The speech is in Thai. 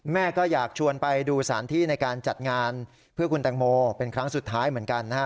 แม่ก็อยากชวนไปดูสถานที่ในการจัดงานเพื่อคุณแตงโมเป็นครั้งสุดท้ายเหมือนกันนะฮะ